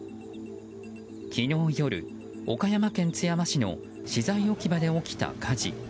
昨日夜、岡山県津山市の資材置き場で起きた火事。